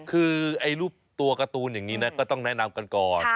คือรูปตัวการ์ตูนอย่างนี้นะก็ต้องแนะนำกันก่อน